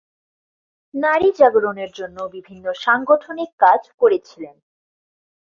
নারী জাগরণের জন্য বিভিন্ন সাংগঠনিক কাজ করেছিলেন।